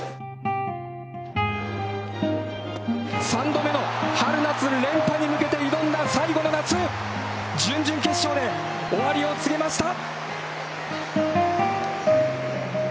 ３度目の春夏連覇に向けて挑んだ夏、準々決勝で終わりを告げました。